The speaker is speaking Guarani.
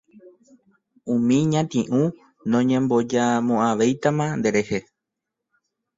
umi ñati'ũ noñembojamo'ãvéitama nderehe